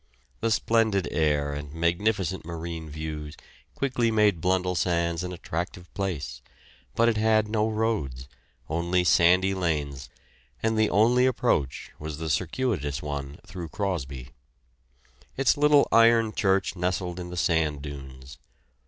The splendid air and magnificent marine views quickly made Blundellsands an attractive place, but it had no roads, only sandy lanes, and the only approach was the circuitous one through Crosby. Its little iron church nestled in the sand dunes.